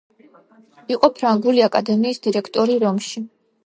იყო ფრანგული აკადემიის დირექტორი რომში.